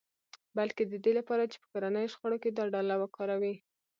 بلکې د دې لپاره چې په کورنیو شخړو کې دا ډله وکاروي